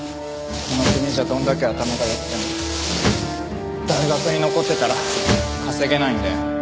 この国じゃどんだけ頭が良くても大学に残ってたら稼げないんだよ。